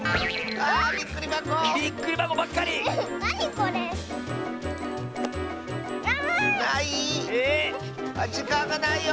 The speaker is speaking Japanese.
あっじかんがないよ！